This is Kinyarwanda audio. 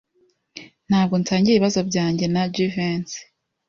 Ntabwo nsangiye ibibazo byanjye na Jivency.